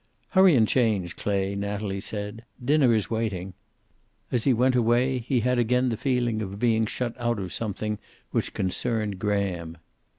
"Hurry and change, Clay," Natalie said. "Dinner is waiting." As he went away he had again the feeling of being shut out of something which concerned Graham.